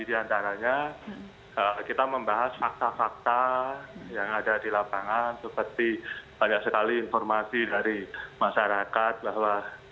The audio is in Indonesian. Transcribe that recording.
di antaranya kita membahas fakta fakta yang ada di lapangan seperti banyak sekali informasi dari masyarakat bahwa